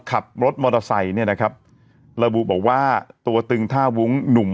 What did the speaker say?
ขับรถมอเตอร์ไซค์เนี่ยนะครับระบุบอกว่าตัวตึงท่าวุ้งหนุ่ม